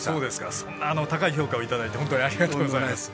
そんな高い評価をいただいてありがとうございます。